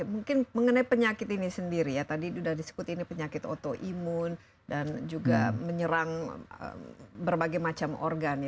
mungkin mengenai penyakit ini sendiri ya tadi sudah disebut ini penyakit autoimun dan juga menyerang berbagai macam organ ya